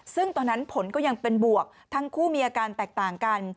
ซึ่งตอนนั้นผลก็ยังเป็นบวกทั้งคู่มีอาการแตกต่างกัน